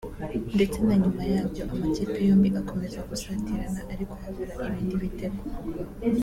ndetse na nyuma yabwo amakipe yombi akomeza gusatirana ariko habura ibindi bitego